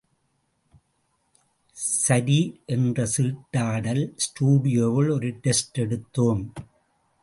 சரி என்று சிட்டாடல் ஸ்டுடியோவில் ஒரு டெஸ்ட் எடுத்தோம்.